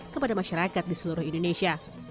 kepada masyarakat di seluruh indonesia